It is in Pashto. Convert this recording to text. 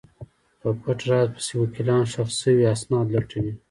په پټ راز پسې وکیلان ښخ شوي اسناد لټوي.